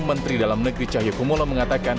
menteri dalam negeri cahyokumolo mengatakan